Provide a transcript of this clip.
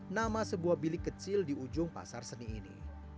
nama sebuah bilik kecil di ujung pasar seni ini